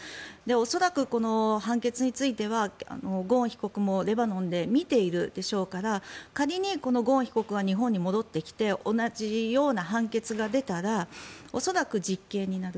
恐らく、この判決についてはゴーン被告もレバノンで見ているでしょうから仮にゴーン被告が日本に戻ってきて同じような判決が出たら恐らく、実刑になる。